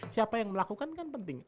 siapa yang melakukan kan penting